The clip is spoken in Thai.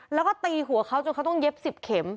แล้วก็ตีหัวเขาจนเขาต้องเย็บ๑๐เข็ม